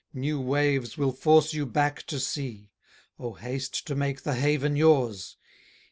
new waves will force you back To sea. O, haste to make the haven yours!